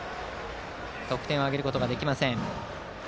得点を挙げることができません。